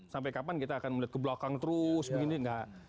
sampai kapan kita akan melihat ke belakang terus begini enggak